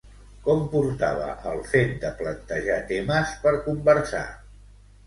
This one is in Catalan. Com portava el fet de plantejar temes per conversar?